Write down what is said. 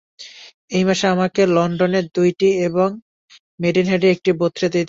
এই মাসে আমাকে লণ্ডনে দুইটি এবং মেডেন-হেডে একটি বক্তৃতা দিতে হইবে।